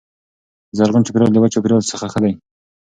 زرغون چاپیریال د وچ چاپیریال څخه ښه دی.